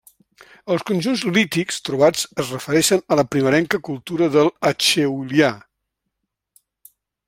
Els conjunts lítics trobats ens refereixen a la primerenca cultura de l'acheulià.